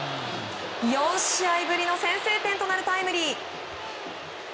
４試合ぶりの先制点となるタイムリー。